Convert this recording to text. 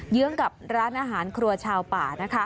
เยื้องกับร้านอาหารครัวชาวป่านะคะ